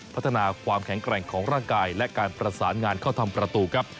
พัฒนาความแข็งแกร่งของร่างกายและการประสานงานเข้าทำประตูครับ